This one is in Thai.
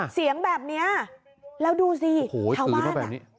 เสียงแบบนี้แล้วดูสิชาวบ้านอ่ะ